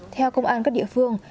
theo công an các địa phương